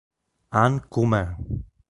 An Kum-ae